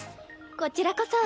こちらこそ。